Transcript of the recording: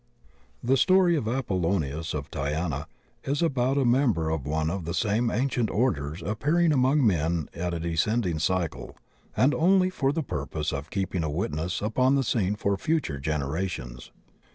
The story of ApoUonius of Tyana is about a mem ber of one of the same ancient orders appearing among men at a descending cycle, and only for the purpose of keeping a witness upon the scene for future genera tions.